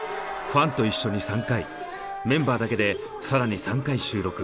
ファンと一緒に３回メンバーだけで更に３回収録。